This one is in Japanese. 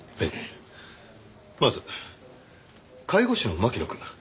まず介護士の牧野くん。